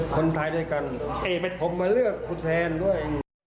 คนไทยด้วยกันผมมาเลือกผู้แทนด้วย